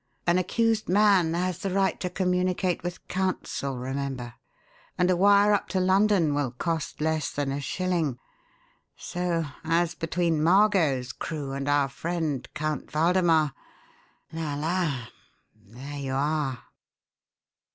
An accused man has the right to communicate with counsel, remember; and a wire up to London will cost less than a shilling. So, as between Margot's crew and our friend Count Waldemar la, la! There you are."